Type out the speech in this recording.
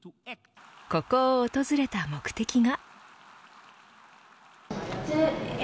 ここを訪れた目的が。